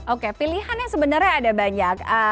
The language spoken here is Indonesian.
oke pilihan yang sebenarnya ada banyak